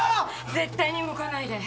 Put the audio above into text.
絶対に動かないで。